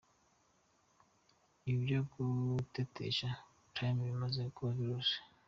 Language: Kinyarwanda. Ibi byo gutetesha Apr bimaze kuba virus.